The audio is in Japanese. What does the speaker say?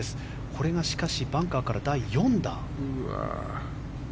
これがしかしバンカーから第４打。